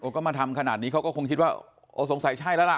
ก็มาทำขนาดนี้เขาก็คงคิดว่าโอ้สงสัยใช่แล้วล่ะ